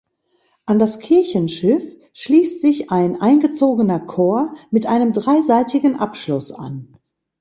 An das Kirchenschiff schließt sich ein eingezogener Chor mit einem dreiseitigen Abschluss an.